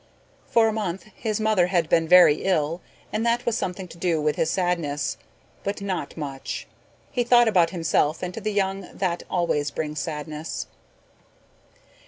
For a month his mother had been very ill and that had something to do with his sadness, but not much. He thought about himself and to the young that always brings sadness.